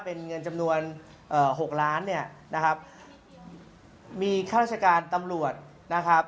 เป็นเงินจำนวน๖ล้านบาทมีแค่ราชการตำรวจ